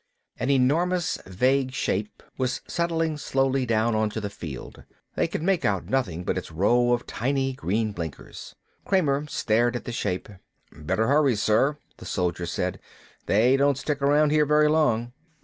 An enormous vague shape was setting slowly down onto the field. They could make nothing out but its row of tiny green blinkers. Kramer stared at the shape. "Better hurry, sir," the soldiers said. "They don't stick around here very long."